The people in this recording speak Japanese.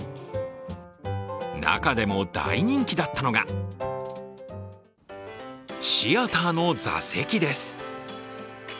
中でも大人気だったのがシアターの座席です。